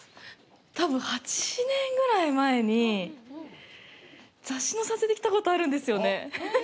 多分、８年ぐらい前に雑誌の撮影で来たことがあるんですよね。